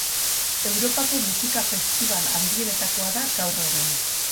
Europako musika festibal handienetakoa da gaur egun.